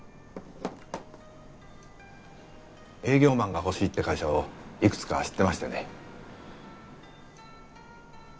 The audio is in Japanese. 営業マンがほしいって会社をいくつか知ってましてね